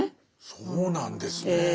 そうなんですね。